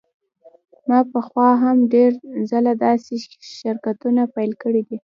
ما پخوا هم ډیر ځله داسې شرکتونه پیل کړي دي